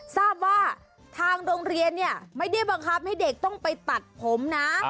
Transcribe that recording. ทราบว่าทางโรงเรียนเนี่ยไม่ได้บังคับให้เด็กต้องไปตัดผมนะ